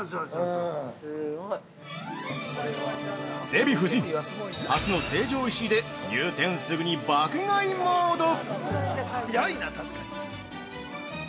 ◆デヴィ夫人、初の成城石井で入店すぐに爆買いモード！